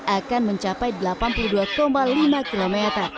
akan mencapai delapan puluh dua lima km